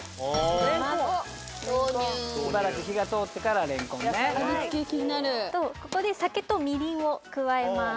・投入・火が通ってかられんこんね。とここで酒とみりんを加えます。